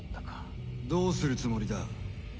どうするつもりだ？